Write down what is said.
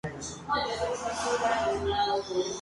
William Gordon Wheeler.